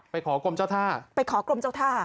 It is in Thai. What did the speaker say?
ขอกรมเจ้าท่าไปขอกรมเจ้าท่า